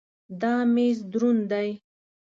دا مېز دروند دی.